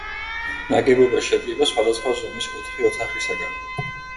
ნაგებობა შედგება სხვადასხვა ზომის ოთხი ოთახისაგან.